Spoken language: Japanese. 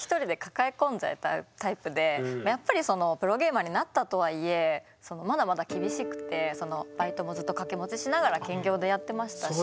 私がやっぱりプロゲーマーになったとはいえまだまだ厳しくてバイトもずっと掛け持ちしながら兼業でやってましたし。